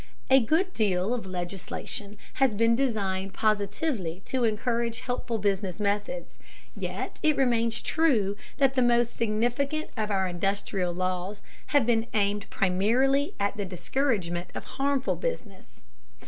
A good deal of legislation has been designed positively to encourage helpful business methods, yet it remains true that the most significant of our industrial laws have been aimed primarily at the discouragement of harmful business.